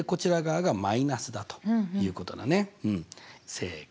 正解。